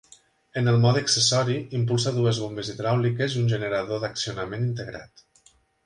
En el mode accessori, impulsa dues bombes hidràuliques i un generador d'accionament integrat.